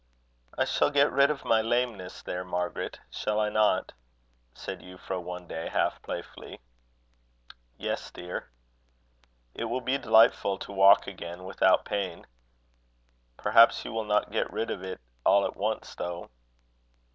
"I shall get rid of my lameness there, Margaret, shall I not?" said Euphra, one day, half playfully. "Yes, dear." "It will be delightful to walk again without pain." "Perhaps you will not get rid of it all at once, though."